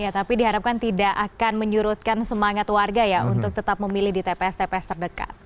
tapi diharapkan tidak akan menyurutkan semangat warga ya untuk tetap memilih di tps tps terdekat